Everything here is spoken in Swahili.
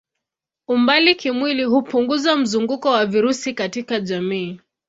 Umbali kimwili hupunguza mzunguko wa virusi katika jamii.